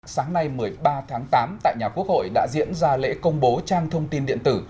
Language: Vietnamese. sáng nay một mươi ba tháng tám tại nhà quốc hội đã diễn ra lễ công bố trang thông tin điện tử